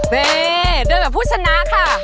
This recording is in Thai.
เบ๊ดกับผู้ชนะค่ะ